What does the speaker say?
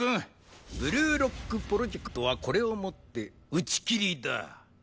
ブルーロックプロジェクトはこれをもって打ち切りだ。